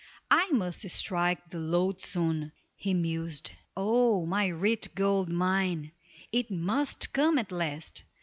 "I must strike the lode soon," he mused. "Oh, my rich gold mine; it must come at last."